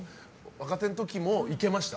若手の時もいけました？